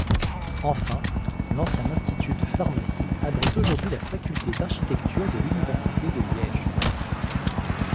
Enfin, l'ancien Institut de Pharmacie abrite aujourd'hui la Faculté d'Architecture de l'Université de Liège.